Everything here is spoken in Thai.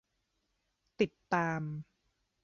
ติดตาม